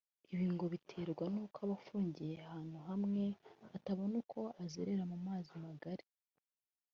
Ibi ngo biterwa n’uko aba afungiye ahantu hamwe atabona uko azerera mu mazi magari